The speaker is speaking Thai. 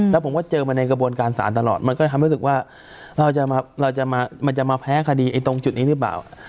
แล้วผมก็เจอมาในกระบวนการศาลตลอดมันก็ทำให้รู้สึกว่าเราจะมาแพ้คดีตรงจุดนี้หรือเปล่า